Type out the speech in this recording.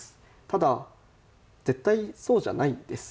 ただ、絶対そうじゃないです。